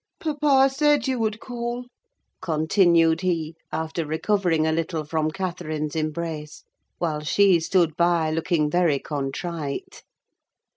Papa said you would call," continued he, after recovering a little from Catherine's embrace; while she stood by looking very contrite.